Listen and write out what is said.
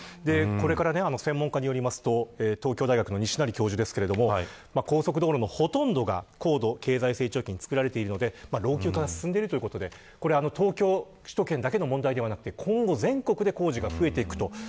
専門家によると東京大学の西成教授ですが高速道路のほとんどが高度経済成長期に造られているので老朽化が進んでいるので首都圏だけの問題ではなく今後、全国で工事が増えていく。